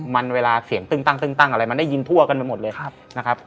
มันเวลาเสียงตึ้งตั้งอะไรมันได้ยินทั่วกันไปหมดเลยนะครับ